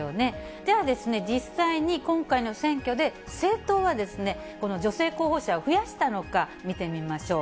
では、実際に今回の選挙で、政党はですね、この女性候補者を増やしたのか、見てみましょう。